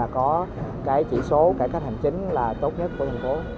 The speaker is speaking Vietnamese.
có chỉ số cải cách hành chính tốt nhất của thành phố